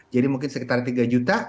jadi mungkin sekitar tiga juta